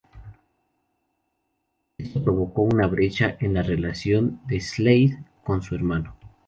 Esto provocó una brecha en la relación de Slade con su hermano.